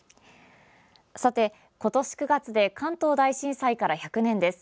さて、今年９月で関東大震災から１００年です。